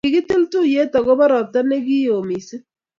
Kigitil tuiyet agobo robta nikioo misiing